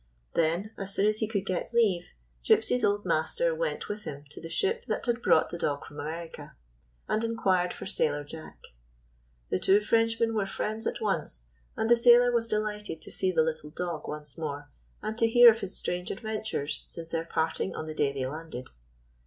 Then, as soon as he could get leave, Gypsy's old master went with him to the ship that had brought the dog from America, and inquired for Sailor Jack. The two Frenchmen were friends at once, and the sailor was delighted to see the little dog once more, and to hear of his 172 MUCH IN LITTLE strange adventures since their parting on the day they ianded.